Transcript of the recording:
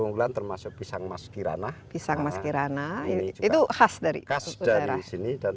unggulan termasuk pisang maskirana pisang maskirana itu khas dari kas dari sini dan